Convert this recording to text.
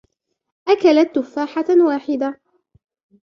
أكلَت تفاحة واحدة.